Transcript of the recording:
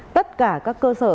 tất cả các cơ sở